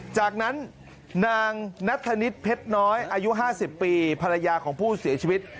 จากนั้นนางนัทธนิษฐ์เพชรน้อยอายุ๕๐ปีภรรยาของผู้เสียชีวิต